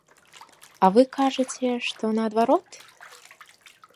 А вы кажаце, што наадварот?